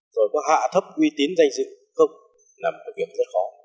rồi có hạ thấp uy tín danh dự không là một cái việc rất khó